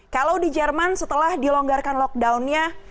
kalau di jerman setelah dilonggarkan lockdownnya